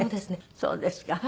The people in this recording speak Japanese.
そうですか。